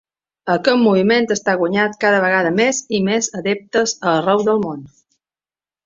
Aquest moviment està guanyant cada vegada més i més adeptes a arreu del món.